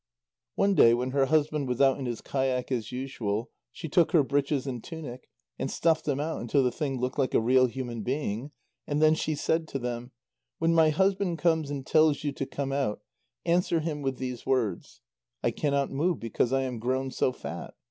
One day when her husband was out in his kayak as usual, she took her breeches and tunic, and stuffed them out until the thing looked like a real human being, and then she said to them: "When my husband comes and tells you to come out, answer him with these words: I cannot move because I am grown so fat.